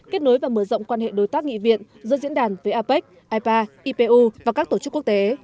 kết nối và mở rộng quan hệ đối tác nghị viện giữa diễn đàn với apec ipa ipu và các tổ chức quốc tế